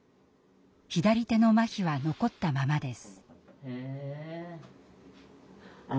左手のまひは残ったままです。